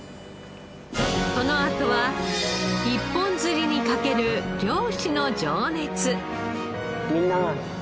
このあとは一本釣りに賭ける漁師の情熱。